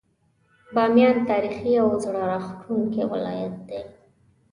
باميان تاريخي او زړه راښکونکی ولايت دی.